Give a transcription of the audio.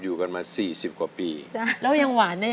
อยู่กันมา๔๐กว่าปีแล้วยังหวานนะ